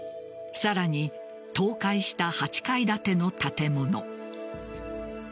さらに、倒壊した８階建ての建物。